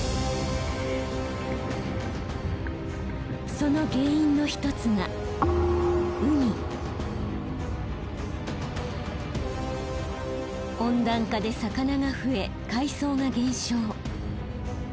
その原因の一つが温暖化で魚が増え海藻が減少。